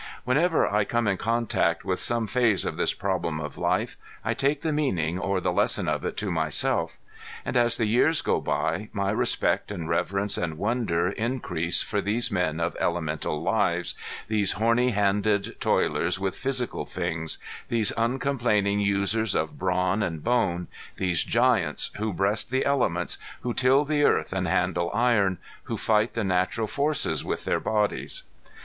Whenever I come in contact with some phase of this problem of life I take the meaning or the lesson of it to myself. And as the years go by my respect and reverence and wonder increase for these men of elemental lives, these horny handed toilers with physical things, these uncomplaining users of brawn and bone, these giants who breast the elements, who till the earth and handle iron, who fight the natural forces with their bodies.